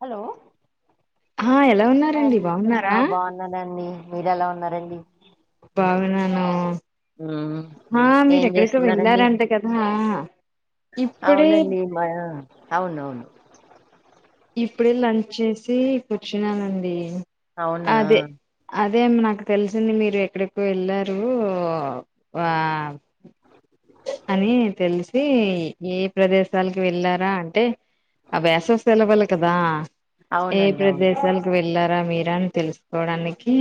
Hello ఆహ ఎలా hi ఉన్నారండి అండి ఆ బాగున్నారా బాగున్నానండి మీరు ఎలా ఉన్నారండి బాగున్నాను మ్మ్. ఆ మీరు ఏం ఎక్కడికో చేస్తున్నారండి వెళ్ళారంట కదా ఇప్పుడే అవునండి మా అవునవును ఇప్పుడే లంచ్ చేసి కూర్చున్నానండి అవునా అదే అదేం నాకు తెలుసు దండి మీరు ఎక్కడికో వెళ్ళారు ఆ అని తెలిసి ఏ ప్రదేశ లకి వెళ్ళారా అంటే ఆ వేసవి సెలవులు కదా ఏ అవునండి అవును ప్రదేశాలకు వెళ్ళారా మీరు అని తెలుసుకోవడానికి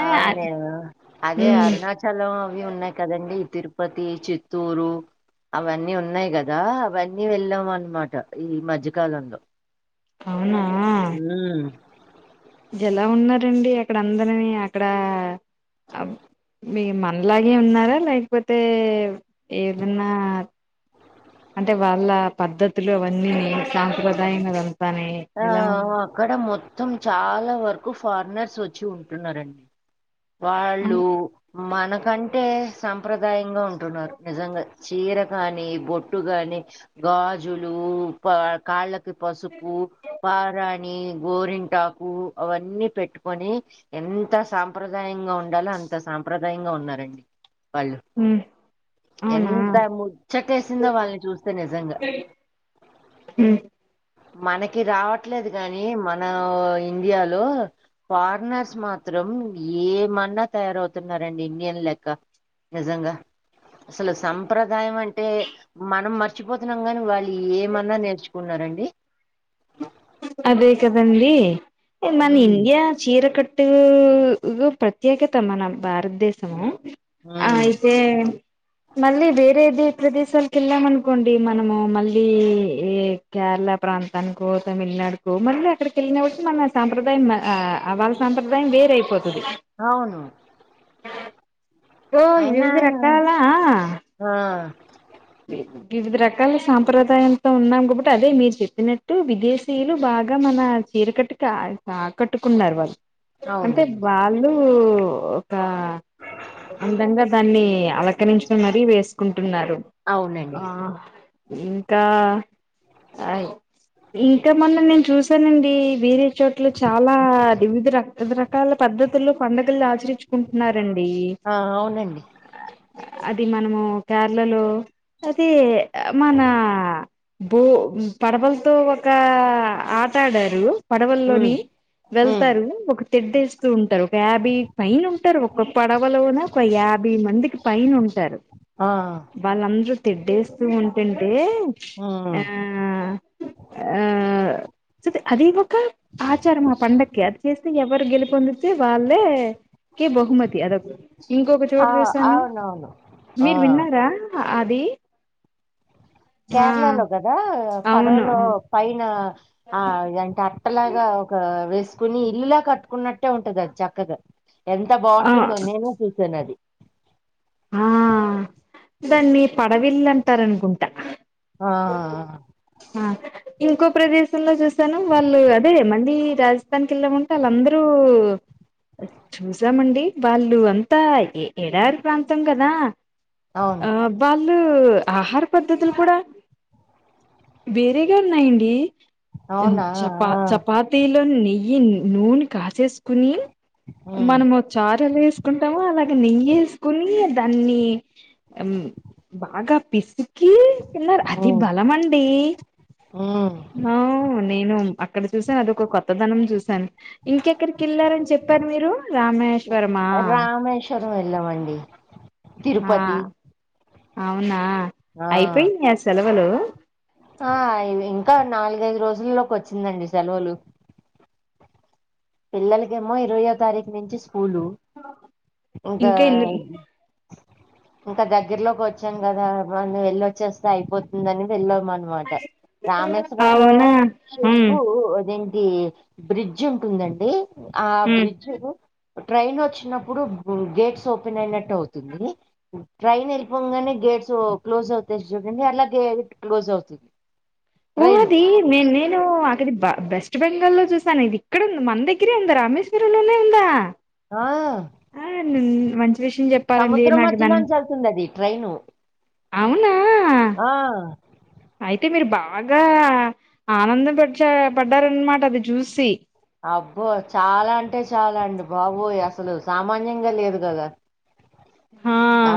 ఆ నేను అదే అరుణాచలం అవి ఉన్నాయి కదండి తిరుపతి చిత్తూరు అవన్నీ ఉన్నాయి కదా అవన్నీ వెళ్ళాము అనమాట ఈ మధ్యకాలంలో అవునా మ్మ్. ఎలా ఉన్నారండి అక్కడ అందరిని అక్కడ అబ్ మీ మనలాగే ఉన్నారా లేకపోతే ఏదన్నా అంటే వాళ్ళ పద్ధతులు అవన్నీ సాంప్రదయంగా రా ఆక్కడ మొత్త మొత్తం చాలా వరకు ఫారినర్స్ వచ్చి ఉంటున్నారండి ఉ వాళ్ళు మనకంటే సాంప్రదాయంగా ఉంటున్నారు నిజంగా చీర కాని బొట్టు కాని గాజులు లు కాళ్ళకి పసుపు పారానీ నీ గోరింటాకు అవన్నీ పెట్టుకొని ఎంత సంప్ర సాంప్రదాయంగా ఉండాలో అంత సాంప్రదాయంగా ఉన్నారండి వాళ్ళు అవునా ఎంత ముచ్చట ఏసిందో వాళ్ళని చూస్తే నిజంగా హు మనకి రావట్లేదు గాని మన ఇండియాలో పరినర్స్ మాత్రం ఏమన్నా తయారవుతున్నార అండి ఇండియన్ లెక్క నిజంగా అసలు సంప్ర దాయం అంటే మనం మర్చిపోతున్నాం గాని వాళ్ళు ఏమన్నా నేర్చుకున్నారండి అదే కదండి మన హ్మ్ ఇండియా చీర కట్ ట్టు ప్రత్యేకత మన భారతదేశము హ్మ్ అయితే మళ్ళీ వేరేది ప్రదేశాలకు వెళ్ళాం అనుకోండి మనము మళ్ళీ ఈ కేరళ ప్రాంతానికో తమిళనాడు కో మళ్ళీ అక్కడికి వెళ్ళిన ఒకటి మన సాప్రదాయం వాళ్ళ సాంప్రదాయం వేరయిపోతుంది అవును ఓ అయినా వివిధరాకాలా ఆ వివిధ రకాల సాంప్రదాయాలతో ఉన్నాం కాబట్టి అదే మీరు చెప్పినట్టు విదేశ స్త్రీలు బాగా మన చీరకట్టు ఆకట్టుకున్నారు వాళ్ళు అంటే అవునండి వాళ్ళు ఒక అందంగా దాన్ని అలకరించడం మరీ వేసుకుంట ఉన్నారు అవునండి ఆ ఇంకా అయ్ ఇంకా మొన్న నేను చూసానండి వేరే చోట్లు చాలా వివిధ రకాల రకాల పద్ధతుల్లో పండుగలు ఆచరించుకుంటున్నారండి. ఆ అవునండి అది మనము కేరళ లో అది మన భూ పడవలతో ఒక ఆట ఆడారు హ్మ్ పడవల్లోని హ్మ్ వెళ్తారు. ఒక తెడ్డు ఏస్తూ ఉంటారు. ఒక యాభై పైన ఉంటారు. ఒక పడవలోన ఒక యాభై మందికి పైన ఉంటారు. ఆ వాళ్ళందరు తిడ్డేస్తూనే ఉంటుంటే ఆ హ్మ్ ఆ స అది ఒక ఆచారం ఆ పండక్కి అది చేస్తే ఎవరు గెలుపొందితే వాళ్ళే కే బహుమతి అది ఒక ఇంకొక ఆ చోట చూశను అవునవును ఆ మీరు విన్నారా. అది ఆ కేరళలో గాదా అవును పడవలో పైన ఆ ఏటంటే అట్టలాగా ఒక వేసుకుని ఇల్లులా కట్టుకున్నట్టే ఉంటది. అది చక్కగా ఎంత ఆ బాగుంటుందో నేనే చూసాను. అది హ్ దాన్ని పడవిల్లు అంటారూ అనుకుంటా ఆ ఆ ఇంకో ప్రదేశంలో చూసాను వాళ్ళు అదే మల్లి రాజస్థాన్ కేళ్ళమంటే వాళ్ళు అందరూ చూసామండి. వాళ్ళు అంతా ఎడార్ ప్రాంతం కదా అవును ఆ వాళ్ళు ఆహార పద్ధతులు కూడా వేరేగా ఉన్నాయండి. అవునా చపా ఆ చపాతీలో నెయ్యి నూనె కాసేసుకుని ఉమ్ మనము చారలు వేసుకుంటాము అలాగే నెయ్యి ఏసు ఇగ దాన్ని బాగా పిసికి కి తిన్నారు అది ఉమ్ బలం అండి ఉమ్ ఆ నేను అక్కడ చూసాను అద ఒక కొత్తదనం చూశాను. ఇంకెక్కడికి వెళ్ళారని చెప్పారు. మీరు రామేశ్వరమా రామేశ్వరం వెళ్ళామండి ఆ తిరుపతి అవునా ఆ అయిపోయినా ఆ సెలవులు ఆ అయిన ఇంకా నాలుగైదు రోజులల్లోకి వచ్చిందండి. సెలవులు పిల్లలకేమో ఇరవయో తారీఖు నుంచి స్కూ స్కూల్ ఇంకా ఇంకా దగ్గరలోకి వచ్చాను. కదా మల్లి వెళ్ళ ఓచ్చేస్తే అయిపోతుంది అని వెళ్ళ అన్మాట రామేశ్వర లో అవునా ఉమ్ చేప్పు ఇది బ్రిడ్జ్ ఉంటుందండి ఆ ఉమ్ బ్రిడ్జ్ ట్రైన్ వోచ్చినప్పుడు గేట్స్ ఓపెన్ అయినట్టు అవుతుంది. ట్రైన్ వెళ్ళిపోంగానే గేట్స్ క్లోజ్ అవుతయి చూడండి అట్ల గేట్ క్లోజ్ అవుతుంది. ఓ ట్రైన్ అది నేన్ నేను ఆక్క డిబ్బా వెస్ట్ బెంగాల్లో చూసాను. ఇది ఇక్కడ ఉంది. మన దగ్గరే ఉందా రామేశ్వర లోనే ఉందా ఆ ఆ ను మంచి విషయం చెప్పారండి. సముద్రం నాకు దాని మధ్యలోంచి వెళ్తుంది అది ట్రైను అవునా ఆ అంటే మీరు బాగా ఆనందం పడ్చ పడ్డారనమాట అది చూసి అబ్బో చాలా అంటే చాలా అండి బాబోయ్ అసలు సామాన్యంగా లేదు. కదా ఆ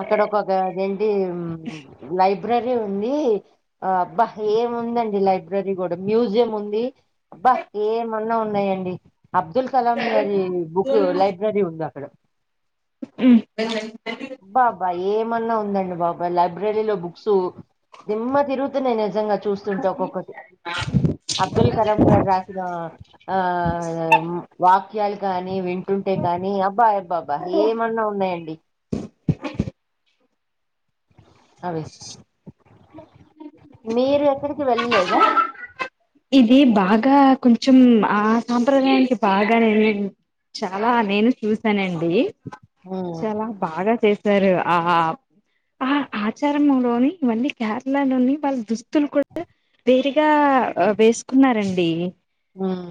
అక్కడ ఒకటీ అది ఏంటి లైబ్ బ్రరీ ఉంది. ఆ అబ్బా ఏముందండి లైబ్రరీ కూడా మ్యూజియం ఉంది. ఆబ్బా ఏమన్నా ఉన్నాయండి. అబ్దుల్ కలాం గారి బుక్ లైబ్రరీ ఉంది. అక్కడ హ్మ్. అబాబ్బా ఏమన్నా ఉంద అబ్బబ లైబ్రరీలో బుక్స్ దిమ్మ తిరుగుతున్నయి నిజంగా చూస్తుంటే ఒక్కొక్కటి అబ్దుల్ కరం గారు రాసిన ఆ వా ముత్యాలు కాని వింటుంటే కానీ అబ్బా అబ్బా అబ్బా ఏమన్నా ఉన్నాయండి అవి మీరు ఎక్కడికి వెళ్ళలేదా ఇది బాగా కొంచెం ఆ సాంప్రదాయానికి బాగా నేనను చాలా నేను చూసానండి ఉమ్ చాలా బాగా చే స్తారు ఆ ఆ ఆచారం లోని ఇవన్నీ కేరళలోని వాళ్ళ దుస్తులు కూడా వేరుగా వేసుకున్నారండి హ్మ్.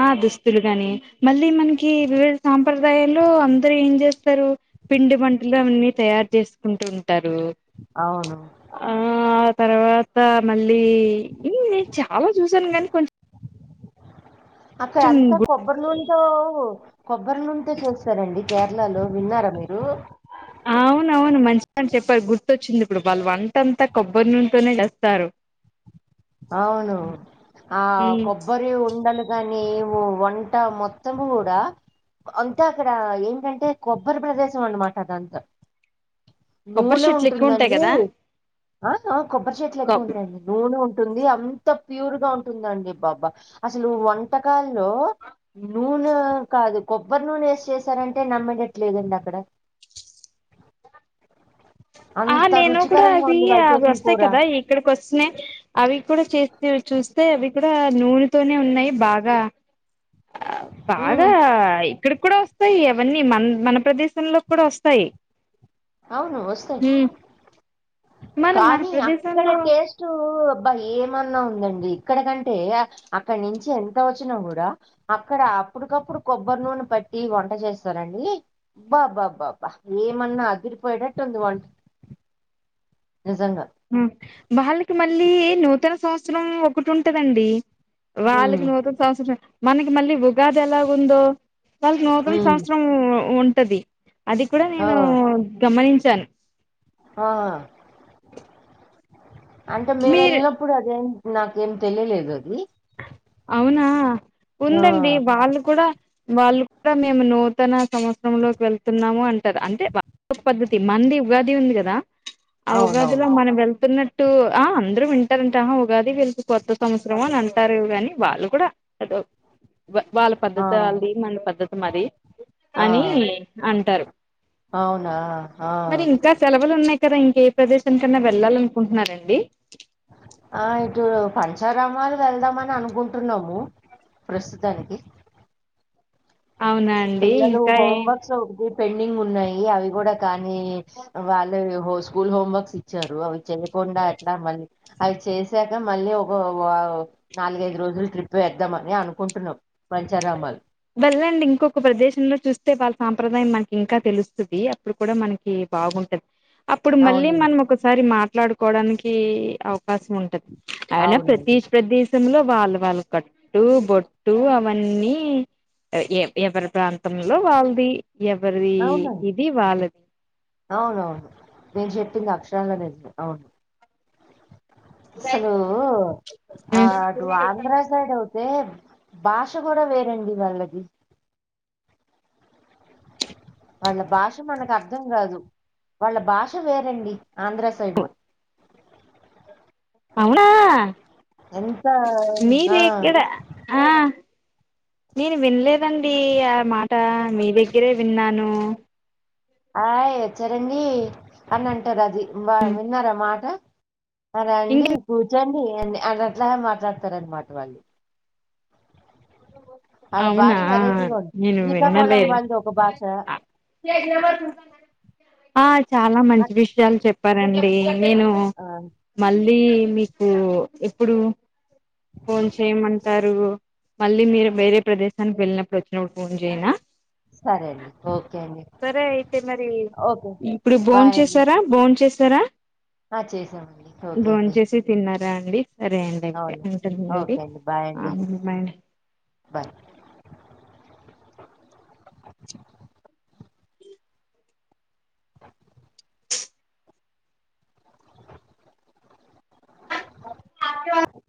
ఆ దుస్తులు గాని మళ్ళీ మనకి వివిధ సాంప్రదాయాల్లో అందరు ఏం చేస్తారు పిండి వంటలు అన్నీ తయారు చేసుకుంటూ ఉంటారు అవును. ఆ తర్వాత మళ్ళీ నేను చాలా చూసాను కానీ కొంచెం అక్కడ అంతా గు కొబ్బరి నూనతో కొబ్బరి నూనెలుతో చేస్తారండి కేరళలో విన్నారు మీరు అవున అవును మంచిగాని చెప్పారు గుర్తుచ్చింది ఇప్పుడు వాళ్ళు వంటంతా కొబ్బరి నూనేతోనే చేస్తారు అవును ఆ ఉమ్ కొబ్బరి ఉండలు కాని ఓ వంట మొత్తం కూడా అంత అక్కడ ఏంటంటే కొబ్బరి ప్రదేశం అన్నమాట అదంతా కొబ్బరి నూనె చెట్లు ఎక్కువ ఉంటాయి ఉంటుందండి కదా కొబ్బరి చెట్లు ఎక్కువ కొబ్ ఉంటాయండి నూనె ఉంటు ఉంటుంది అంత ప్యూర్ గా ఉంటుందండి బాబా అసలు వంటకాల్లో నూనె కాదు కొబ్బరి నూనె వేసి చేసారంటే నమ్మడట్లేదండి అక్కడ ఆ అంత నేను కూడా రుచికరంగా అవి ఉంది వాళ్ళు అవి చేసిన వస్తాయి కూర. కదా ఇక్కడికి వస్తున్నాయి అవి కూడా చేసి చూస్త వస్తే అవి కూడా నూనెతోనే ఉన్నాయి బాగా హ్మ్. బాగా ఇక్కడకి కూడా వస్తాయి అవన్నీ మన మన ప్రదేశంలోకి కూడా వస్తాయి అవును వస్తాయి మనం మన మన కానీ అక్కడ ప్రదేశంలో టేస్ట్ అబ్బా ఏమన్నా ఉందండి ఇక్కడకంటే అక్కడ నుంచి ఎంత వచ్చినా కూడా అక్కడ అప్పుటికప్పుడు కొబ్బరి నూనె పట్టి వంట చేస్తారండి బా బా బా బా ఏమన్నా అదిరిపోయిటట్టు ఉంది వంట నిజంగా. వాళ్ళకి మళ్ళీ నూతన సంవత్సరం ఒకటి ఉంటదండి వాళ్ళకి హ్మ్. నూతన సంవత్సరం మనకి మళ్ళీ ఉగాది ఎలా ఉందో వాళ్ళకి నూతన హ్మ్. సంవత్సరం ఉంటది అది కూడా ఆ! నేను గమనించ చాను ఆ అంటే మేము మీరు వెళ్ళినప్పుడు అదేం నాకేం తెలియలేదు అది అవునా ఆ! ఉందండి వాళ్ళు కూడా వాళ్ళు కూడా మేము నూతన సంవత్సరం లోకి వెళ్తున్నాము అంటారు అంటే వాళ్లది ఒక పద్ధతి మనది ఉగాది ఉంది కదా ఆ ఉగాదిలో అవునవును. మనం వెళ్తున్న ఆ అందరూ వింటారంట ఆ ఉగాది వీళ్ళకి కొత్త సంవత్సరం అని అ అంటారు కానీ వాళ్ళు కూడా వాళ్ళ ఆ! పద్ధతి అది మన పద్ధతి మరి ఆ! అని అంటారు అవునా! మరి ఆ! ఇంకా సెలవులు ఉన్నాయి ఇక్కడ ఇంక ఏ ప్రదేశానికికన్నా వెళ్లాలని అనుకుంటున్నారండి ఆ ఇటు పంచారామాలు వెళ్దామని అనుకుంటున్నాము ప్రస్తుతానికి అవునా అండి పిల్లలు ఇంకా హోమ్ ఏం వర్క్స్ ఉ పెండింగ్ ఉన్నాయి అవి కూడా కానీ వాళ్ళు స్కూల్ హోమ్వర్క్స్ ఇచ్చారు అవి చేయకుండా ఎట్లా మళ్ళీ అవి చేసాక మళ్ళీ ఒక నాలుగైదు రోజులు ట్రిప్ వేద్దామ అని అనుకుంటున్నాం మంచారమల్ వెళ్ళండి ఇంకొక ప్రదేశంలో చూస్తే వాళ్ళ సాంప్రదాయం మనకి ఇంకా తెలుస్తుంది అప్పుడు కూడా మనకి బాగుంటది అప్పుడు మళ్ళీ అవునండి మనం ఒకసారి మాట్లాడుకోడానికి అవకాశం ఉంటది అవునా అవునండి ప్రదేశ ప్రదేశంలో వాళ్ళు వాళ్ళ కట్టు బొట్టు అవన్నీ ఎ ఎవరి ప్రాంతంలో వాళ్ళది ఎవరి ఇది వాళ్ళది అవును నేను చెప్పింది అక్షరాల నిజం అవును అసలు ఆ టు ఆంధ్ర సైడ్ అట్ ఎ భాష కూడా వేరండి వాళ్ళది వాళ్ళ భాష మనకు అర్థం కాదు వాళ్ళ భాష వేరండి ఆంధ్ర సైడ్ అవునా ఎంత ఆ మీరెక్కడ ఆ నేను విన్లేదండి ఆ మాట మీ దగ్గరే విన్నాను ఆయ్ వచ్చరండి అని అంటారు అది బా విన్నార మాట అర ఇం అండి కూర్చోండి అ అడ అట్లా మాట్లాడతారునమాట వాళ్ళు వాళ్ళ అవునా భాష వెరైటీగా ఉంది నేను శ్రీకాకుళం విన్నలేదు వాళ్ళది ఒక భాష ఆ చాలా మంచి అట్- విషయాలు చెప్ చెప్పనండి నేను ఆ, మళ్ళీ మీకు ఎప్పుడు ఫోన్ చేయమంటారు మళ్ళీ మీరు వేరే ప్రదేశానికి వెళ్ళినప్పుడు వచ్చినప్పుడు ఫోన్ చేయనా సరే అండి ఓకే అండి సరే అయితే మరి ఓకే ఇప్పుడు బాయ్ అండి బోంచేసారా బోంచేసారా ఆ చేసామండి ఓకే అండి అదే అండి సరే అండి అయితే అవును అంటారుండి ఓకే అండి బాయ్ అండి అమాడి బాయ్ [unintelligible] [unintelligible] [unintelligible] [unintelligible]